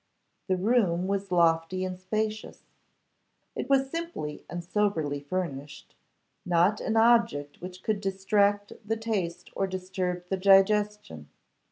The room was lofty and spacious; it was simply and soberly furnished; not an object which could distract the taste or disturb the digestion.